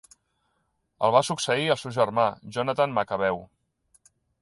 El va succeir el seu germà Jonatan Macabeu.